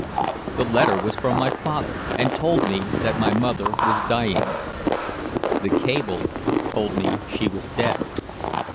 The letter was from my father and told me that my mother was dying. The cable told me she was dead.